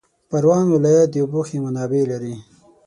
پروان ولایت د اوبو ښې منابع لري